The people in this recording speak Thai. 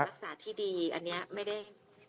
รักษาที่ดีอันนี้ไม่ได้